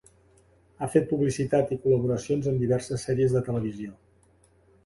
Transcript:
Ha fet publicitat i col·laboracions en diverses sèries de televisió.